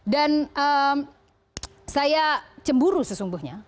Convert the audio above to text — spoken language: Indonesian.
dan saya cemburu sesungguhnya